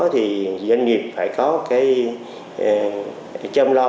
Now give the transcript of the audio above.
thì doanh nghiệp phải có cái chăm lo